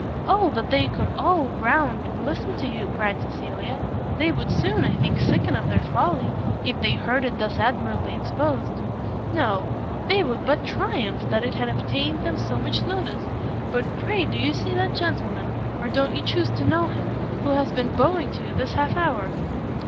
"O that they could all round listen to you!" cried Cecilia; "they would soon, I think, sicken of their folly, if they heard it thus admirably exposed." "No; they would but triumph that it had obtained them so much notice! But pray do you see that gentleman, or don't you chuse to know him, who has been bowing to you this half hour?"